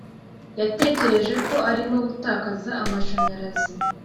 yatekereje ko arimo gutakaza amashanyarazi